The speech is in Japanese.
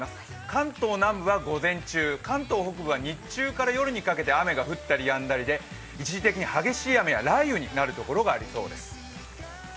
関東南部は午前中、関東北部は日中から夜にかけて雨が降ったりやんだりで一時的に激しい雨や雷雨になるところがありそうです。